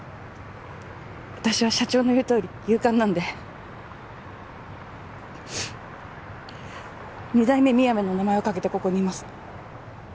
私は社長の言うとおり勇敢なんで二代目みやべの名前を懸けてここにいます。